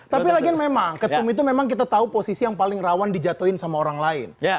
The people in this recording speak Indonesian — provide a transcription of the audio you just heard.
tapi lagian memang ketum itu memang kita tahu posisi yang paling rawan dijatuhin sama orang lain